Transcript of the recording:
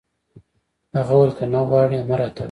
هغه وویل: که نه غواړي، مه راته وایه.